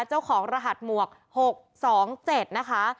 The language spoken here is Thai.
เจ้าของรหัสหมวก๖๒๗นะคะ